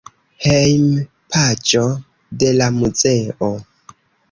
Hejmpaĝo de la muzeo.